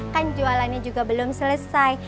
kan jualannya juga belum selesai